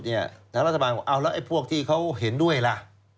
นัฏรธรรมันบอกเอาล่ะไอ้พวกที่เขาเห็นด้วยล่ะ